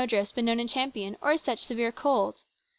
snowdrifts been known in Champion, or such severe cold.